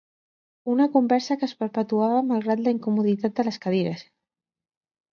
Una conversa que es perpetuava malgrat la incomoditat de les cadires.